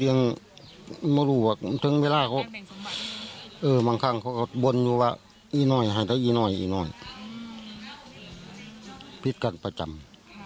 ยังสมบัติแทบไว้สุดท้ายน้อยฟิตการประจำ